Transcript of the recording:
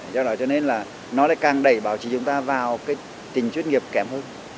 do đó cho nên là nó lại càng đẩy báo chí chúng ta vào cái tình chuyên nghiệp kém hơn